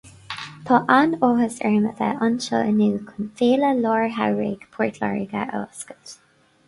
Tá an-áthas orm a bheith anseo inniu chun Féile Lár-Shamhraidh Phort Láirge a oscailt.